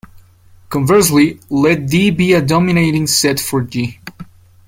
Conversely, let "D" be a dominating set for "G".